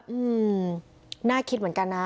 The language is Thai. อืมน่าคิดเหมือนกันนะ